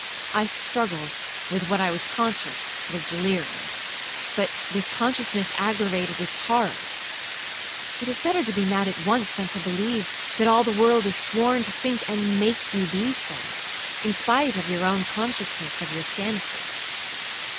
I struggled with what I was conscious was delirium,—but this consciousness aggravated its horror. It is better to be mad at once, than to believe that all the world is sworn to think and make you be so, in spite of your own consciousness of your sanity.